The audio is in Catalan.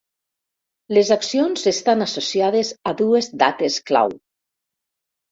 Les accions estan associades a dues dates clau.